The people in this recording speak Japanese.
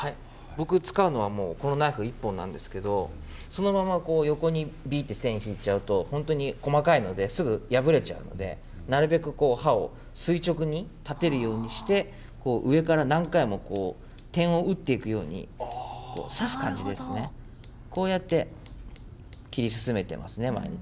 僕使うのは、このナイフ一本なんですけれども、そのまま横にびーって線引いちゃうと、本当に細かいので、すぐ破れちゃうので、なるべくこう、刃を垂直に立てるようにして、上から何回も点を打っていくように、刺す感じですね、こうやって切り進めてますね、毎日。